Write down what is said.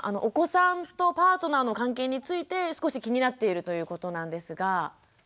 お子さんとパートナーの関係について少し気になっているということなんですが。